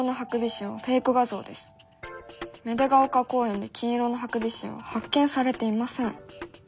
芽出ヶ丘公園で金色のハクビシンは発見されていません」。